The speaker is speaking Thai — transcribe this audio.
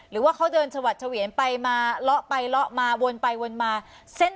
คือสมัครตัวพี่หลังจากรับแจ้งนะครับ